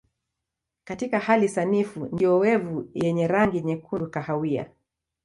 Katika hali sanifu ni kiowevu yenye rangi nyekundu kahawia.